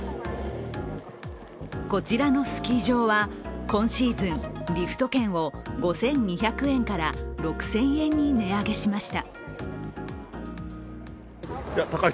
こちらのスキー場は今シーズン、リフト券を５２００円から６０００円に値上げしました。